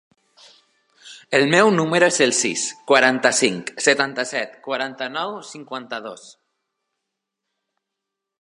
El meu número es el sis, quaranta-cinc, setanta-set, quaranta-nou, cinquanta-dos.